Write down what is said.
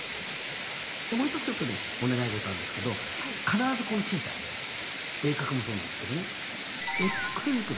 でもう一つちょっとねお願い事があるんですけど必ずこのθ鋭角もそうなんですけどね。